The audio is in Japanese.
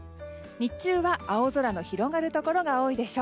日中は、青空の広がるところが多いでしょう。